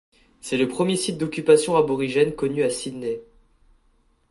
C'est le premier site d'occupation aborigène connu à Sydney.